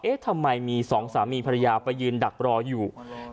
ทำไมมีสองสามีภรรยาไปยืนดักรออยู่